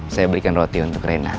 saya berikan roti untuk rena